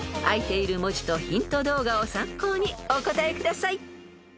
［あいている文字とヒント動画を参考にお答えください］